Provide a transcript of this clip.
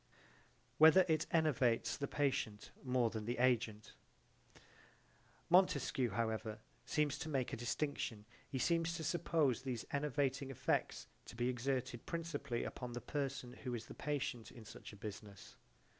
Whether it enervates the patient more than the agent Montesquieu however seems to make a distinction he seems to suppose these enervating effects to be exerted principally upon the person who is the patient in such a business.